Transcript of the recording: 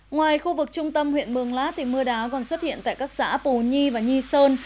ngoài khu vực trung tâm huyện mường lát mưa đá còn xuất hiện tại các xã pù nhi và nhi sơn